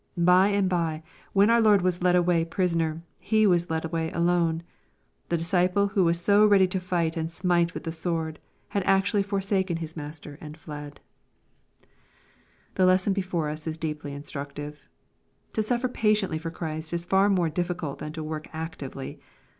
By and bye when our Lord was led away prisoner, he was led away alone. The disciple who was so ready to fight and smite with the sword, had actually forsaken his Master and fled 1 The lessen before us is deeply instructive. To suffer patiently for Christ is far more difficult than to work actively.